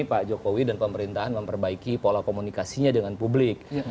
pak jokowi dan pemerintahan memperbaiki pola komunikasinya dengan publik